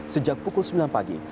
sejak pukul sembilan pagi